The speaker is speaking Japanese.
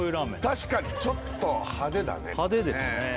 確かにちょっと派手だね派手ですね